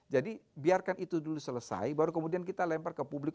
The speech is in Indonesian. jadi biarkan itu dulu selesai baru kemudian kita lempar ke publik